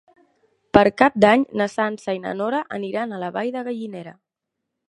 Per Cap d'Any na Sança i na Nora aniran a la Vall de Gallinera.